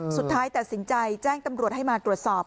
สุดท้ายตัดสินใจแจ้งตำรวจให้มาตรวจสอบ